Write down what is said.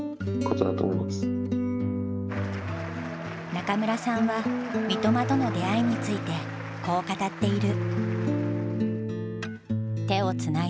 中村さんは三笘との出会いについてこう語っている。